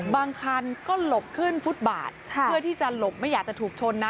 บางคันก็หลบขึ้นฟุตบาทเพื่อที่จะหลบไม่อยากจะถูกชนนะ